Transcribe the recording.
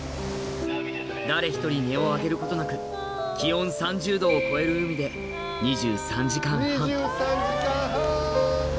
誰一人音を上げることなく気温３０度を超える海で２３時間半２３時間半！